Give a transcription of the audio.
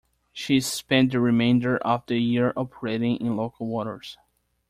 She spent the remainder of the year operating in local waters.